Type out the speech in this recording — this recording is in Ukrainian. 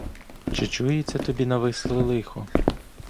Чи чується тобі нависле лихо?